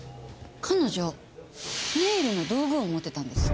彼女ネイルの道具を持ってたんです。